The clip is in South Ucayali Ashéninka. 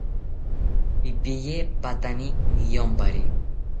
Pipiye patani niyompari